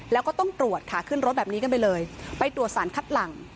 แล้วก็ต้องตรวจค่ะขึ้นรถแบบนี้กันไปเลยไปตรวจสารคัดหลัง